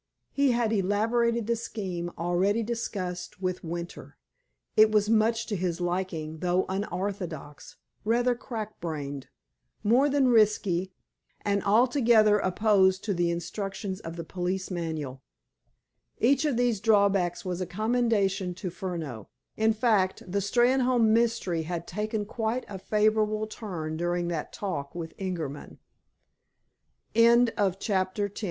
He had elaborated the scheme already discussed with Winter. It was much to his liking, though unorthodox, rather crack brained, more than risky, and altogether opposed to the instructions of the Police Manual. Each of these drawbacks was a commendation to Furneaux. In fact, the Steynholme mystery had taken quite a favorable turn during that talk with Ingerman. Chapter XI. P. C.